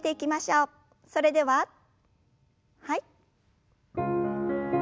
それでははい。